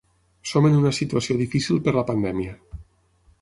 Som en una situació difícil per la pandèmia.